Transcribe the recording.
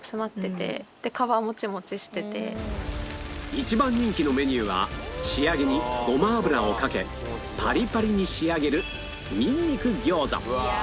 一番人気のメニューは仕上げにごま油をかけパリパリに仕上げるうわ！